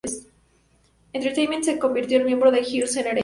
Entertainment y se convirtió en miembro de Girls' Generation.